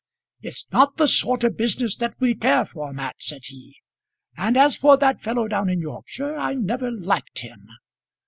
"It's not the sort of business that we care for, Mat," said he; "and as for that fellow down in Yorkshire, I never liked him."